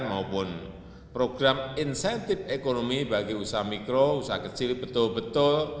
maupun program insentif ekonomi bagi usaha mikro usaha kecil betul betul